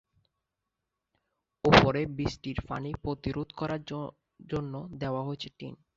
ওপরে বৃষ্টির পানি প্রতিরোধ করার জন্য দেওয়া হয়েছে টিন।